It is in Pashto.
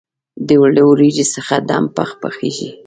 له وریجو څخه دم پخ پخیږي.